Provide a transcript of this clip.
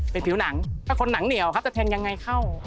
เป็นผิวหนังเป็นคนหนังเหนียวครับจะแทงยังไงเข้า